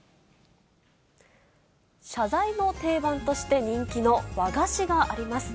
謝罪の定番として人気の和菓子があります。